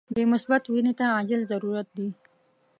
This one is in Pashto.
بی مثبت وینی ته عاجل ضرورت دي.